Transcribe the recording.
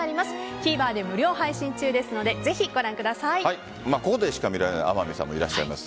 ＴＶｅｒで無料配信中ですのでここでしか見られない天海さんもいらっしゃいます。